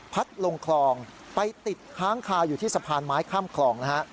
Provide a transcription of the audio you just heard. ลงคลองไปติดค้างคาอยู่ที่สะพานไม้ข้ามคลองนะฮะ